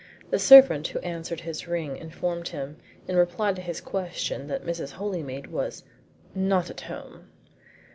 The servant who answered his ring informed him, in reply to his question, that Mrs. Holymead was "Not at home."